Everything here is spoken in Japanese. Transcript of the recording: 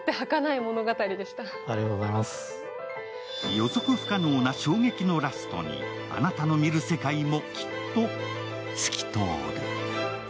予測不可能な衝撃のラストにあなたの見る世界もきっと、透きとおる。